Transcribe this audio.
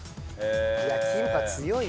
いやキンパ強いよ。